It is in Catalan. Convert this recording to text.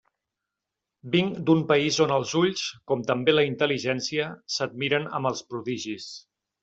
Vinc d'un país on els ulls, com també la intel·ligència, s'admiren amb els prodigis.